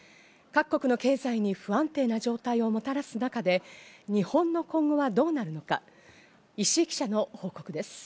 各国の経済に不安定な状態をもたらす中で日本の今後はどうなるのか。